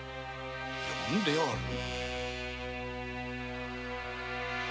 呼んである！？